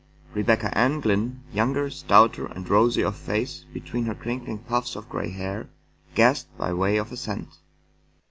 Rebecca Ann Glynn, younger, stouter and rosy of face between her crinkling puffs of gray hair, gasped, by way of assent.